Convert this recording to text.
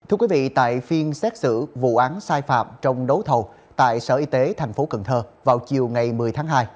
thưa quý vị tại phiên xét xử vụ án sai phạm trong đấu thầu tại sở y tế tp cn vào chiều ngày một mươi tháng hai